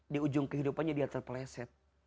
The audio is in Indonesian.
di ujung kehidupannya dia terpeleset